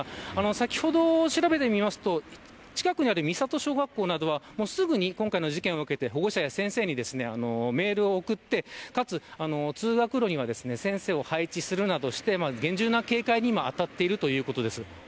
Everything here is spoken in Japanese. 先ほど調べてみますと近くにある三郷小学校などは今回の事件を受けて保護者や先生にメールを送って通学路には先生を配置するなどして厳重な警戒に当たっているということです。